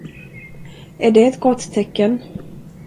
Är det ett gott tecken?